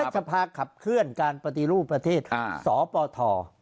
สภาขับเคลื่อนการปฏิรูปประเทศสปท